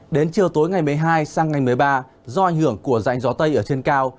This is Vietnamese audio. đến chiều tối ngày một mươi hai sang ngày một mươi ba do ảnh hưởng của rãnh gió tây ở trên cao